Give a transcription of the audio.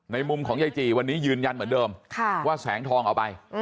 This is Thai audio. มุมของยายจีวันนี้ยืนยันเหมือนเดิมว่าแสงทองเอาไป